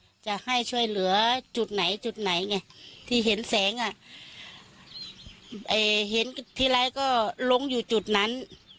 จะให้ช่วยเหลือจุดไหนจุดไหนไงที่เห็นแสงอ่ะเห็นทีไรก็ลงอยู่จุดนั้น